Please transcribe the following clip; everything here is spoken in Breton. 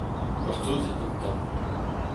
Gortozit un tamm.